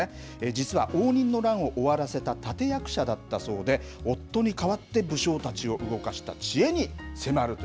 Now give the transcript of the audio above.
実は応仁の乱を終わらせた、立て役者だったそうで、夫に代わって武将たちを動かした知恵に迫ると